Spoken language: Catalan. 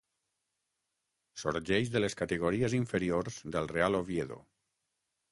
Sorgeix de les categories inferiors del Real Oviedo.